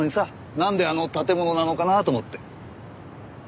なんであの建物なのかなと思って。